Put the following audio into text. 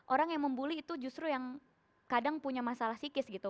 orang yang membuli itu justru yang kadang punya masalah psikis gitu